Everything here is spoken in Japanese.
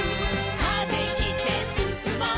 「風切ってすすもう」